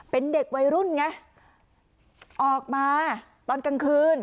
เป็นเด็กวัยรุ่นไงออกมาตอนกลางคืน